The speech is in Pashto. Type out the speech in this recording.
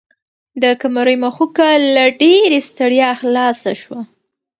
د قمرۍ مښوکه له ډېرې ستړیا خلاصه شوه.